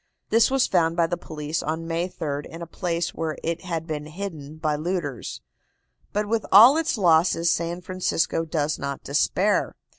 This was found by the police on May 3d in a place where it had been hidden by looters. But with all its losses San Francisco does not despair.